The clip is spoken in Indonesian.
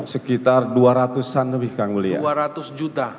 sekitar dua ratus an lebih kan mulia dua ratus juta